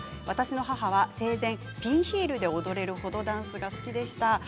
私の母は生前ピンヒールで踊れるほどダンスが好きでした。